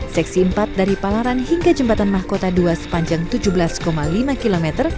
seksi empat dari palaran hingga jembatan mahkota dua sepanjang tujuh belas lima km